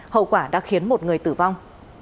hậu quả đã khiến một người tử vong